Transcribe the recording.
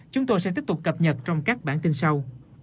chúng tôi sẽ tiếp tục cập nhật trong các bản tin sau